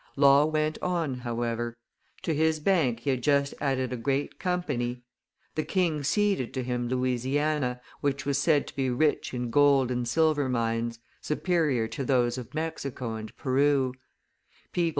Law went on, however; to his bank he had just added a great company. The king ceded to him Louisiana, which was said to be rich in gold and silver mines, superior to those of Mexico and Peru.